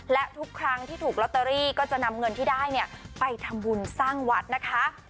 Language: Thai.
และทุกครั้งที่ถูกลอตเตอรี่ก็จะนำเงินที่ได้เนี่ยไปทำบุญสร้างวัดนะคะ